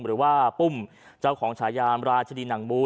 หรือว่าปุ้มเจ้าของฉายามราชดีนังมู้